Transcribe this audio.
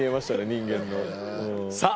人間のさあ